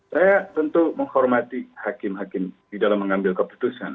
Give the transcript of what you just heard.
saya tentu menghormati hakim hakim di dalam mengambil keputusan